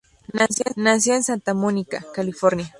Nació en Santa Mónica, California.